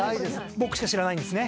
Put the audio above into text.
僕しか知らないんですね。